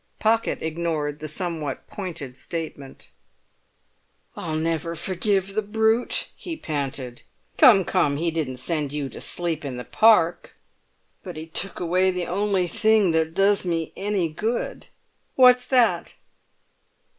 Pocket ignored the somewhat pointed statement. "I'll never forgive the brute!" he panted. "Come, come! He didn't send you to sleep in the Park." "But he took away the only thing that does me any good." "What's that?"